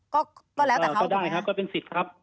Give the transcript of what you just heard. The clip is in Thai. ก็ต้องแล้วแต่เขานะเหรอคะก็ได้ครับก็เป็นสิทธิ์ครับ